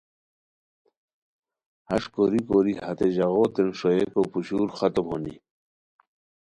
ہݰ کوری کوری ہتے ژاغوتین ݰوئیکو پوشور ختم ہونی